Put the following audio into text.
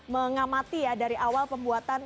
mengamati dari awal pembuatan